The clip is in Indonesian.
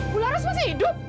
bularas masih hidup